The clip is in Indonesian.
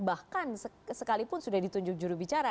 bahkan sekalipun sudah ditunjuk juru bicara